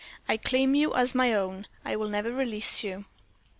"I CLAIM YOU AS MY OWN; I WILL NEVER RELEASE YOU!"